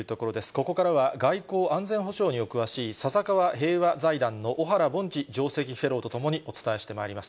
ここからは外交・安全保障にお詳しい、笹川平和財団の小原凡司上席フェローと共にお伝えしてまいります。